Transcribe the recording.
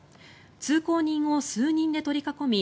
通行人を数人で取り囲み